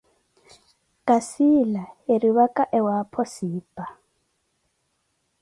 Ka siila eriwaka owaapho siipa.